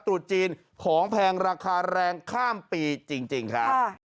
ตรุษจีนของแพงราคาแรงข้ามปีจริงครับ